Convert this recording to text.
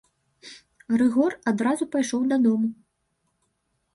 Рыгор адразу пайшоў дадому.